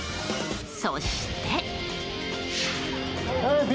そして。